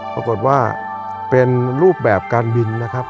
ปรากฏว่าเป็นรูปแบบการบินนะครับ